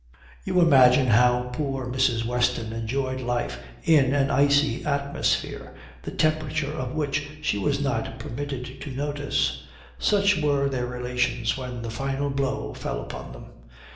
You imagine how poor Mrs. Weston enjoyed life in an icy atmosphere, the temperature of which she was not permitted to notice. Such were their relations when the final blow fell upon them.